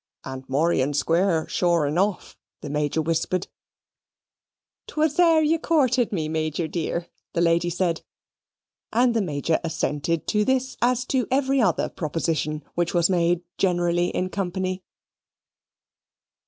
"And Muryan Square, sure enough," the Major whispered. "'Twas there ye coorted me, Meejor dear," the lady said; and the Major assented to this as to every other proposition which was made generally in company.